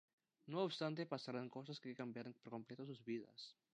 No obstante, pasarán cosas que cambiarán por completo sus vidas.